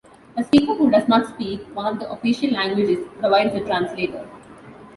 A speaker who does not speak one of the official languages provides a translator.